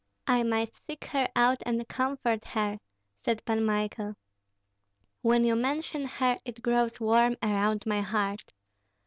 "I might seek her out and comfort her," said Pan Michael. "When you mention her it grows warm around my heart.